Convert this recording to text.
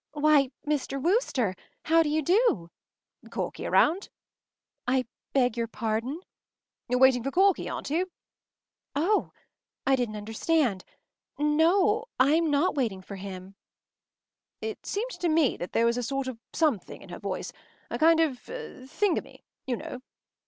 “Why, Mr. Wooster! How do you do?” “Corky around?” “I beg your pardon?” “You’re waiting for Corky, aren’t you?” “Oh, I didn’t understand. No, I’m not waiting for him.” It seemed to me that there was a sort of something in her voice, a kind of thingummy, you know.